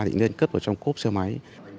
thì nên cất vào trong cốp xe máy